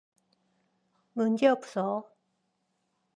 문제없어.